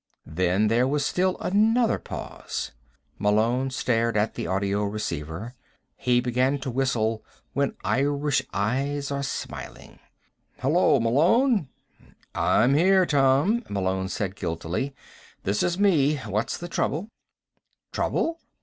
Then there was still another pause. Malone stared at the audio receiver. He began to whistle "When Irish Eyes Are Smiling." "Hello? Malone?" "I'm here, Tom," Malone said guiltily. "This is me. What's the trouble?" "Trouble?"